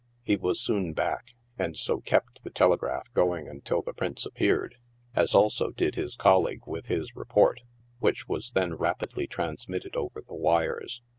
He was soon back, and so kept the telegraph going until the Prince appeared, as also did his colleague with his report, which was then rapidly trans mitted over the wires.